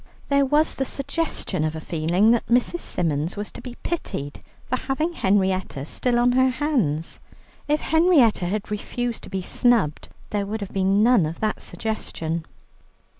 There was the suggestion of a feeling that Mrs. Symons was to be pitied for having Henrietta still on her hands. If Henrietta had refused to be snubbed, there would have been none of that suggestion.